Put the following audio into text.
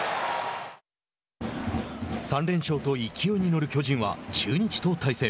３連勝と勢いに乗る巨人は中日と対戦。